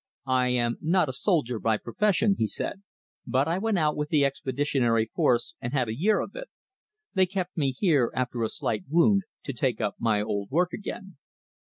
"I am not a soldier by profession," he said, "but I went out with the Expeditionary Force and had a year of it. They kept me here, after a slight wound, to take up my old work again."